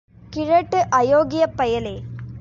கிழட்டு அயோக்கியப் பயலே!